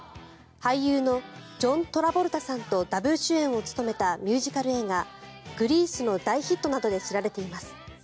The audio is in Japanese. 俳優のジョン・トラボルタさんとダブル主演を務めたミュージカル映画「グリース」の大ヒットなどで知られています。